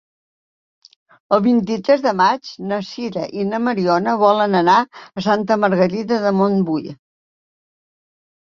El vint-i-tres de maig na Sira i na Mariona volen anar a Santa Margarida de Montbui.